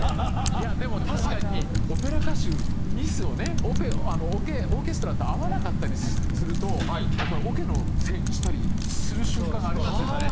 いやでも確かにオペラ歌手ミスをねオーケストラと合わなかったりするとやっぱりオケのせいにしたりする瞬間がありますよね。